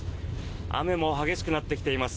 雨も激しくなってきています。